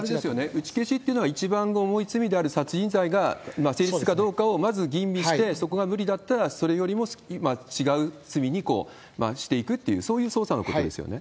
打消しというのは、一番重い罪である殺人罪が成立かどうかをまず吟味して、そこが無理だったら、それよりも違う罪にしていくという、そういう捜査のことですよね。